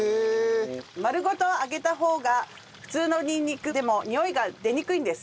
丸ごと揚げた方が普通のにんにくでもにおいが出にくいんです。